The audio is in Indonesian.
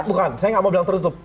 bukan saya nggak mau bilang tertutup